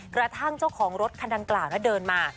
กระทั่งเจ้าของรถคันดังกล่าวเดินมา